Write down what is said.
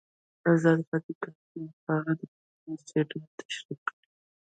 ازادي راډیو د اقلیم په اړه د پوهانو څېړنې تشریح کړې.